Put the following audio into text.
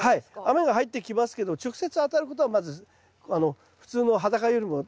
雨が入ってきますけど直接当たることはまず普通の裸よりも少ないですよね。